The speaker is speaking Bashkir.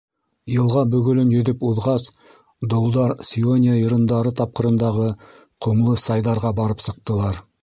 Йылға бөгөлөн йөҙөп уҙғас, долдар Сиония йырындары тапҡырындағы ҡомло сайҙарға барып сыҡтылар.